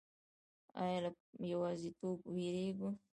ایا له یوازیتوب ویریږئ؟